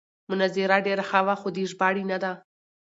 مناظره ډېره ښه وه خو د ژباړې نه ده.